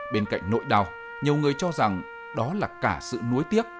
bên cạnh nội đào nhiều người cho rằng đó là cả sự nuối tiếc